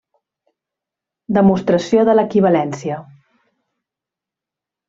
Demostració de l'equivalència.